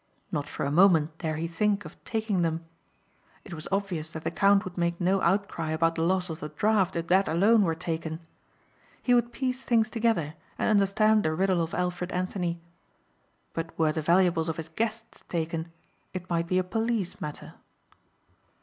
Not for a moment dare he think of taking them. It was obvious that the count would make no outcry about the loss of the draft if that alone were taken. He would piece things together and understand the riddle of Alfred Anthony. But were the valuables of his guests taken it might be a police matter.